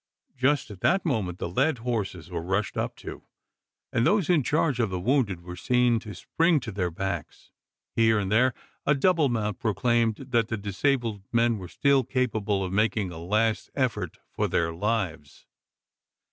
Just at that moment, the led horses were rushed up to: and those in charge of the wounded were seen to spring to their backs. Here and there, a double mount proclaimed that the disabled men were still capable of making a last effort for their lives.